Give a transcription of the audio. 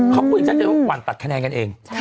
เขาก็คุยกันได้ว่ากว่าตัดคะแนนกันเอง